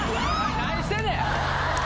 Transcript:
何してんねん！